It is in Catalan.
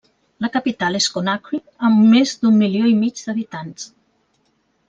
La capital és Conakry, amb més d'un milió i mig d'habitants.